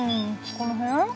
この辺？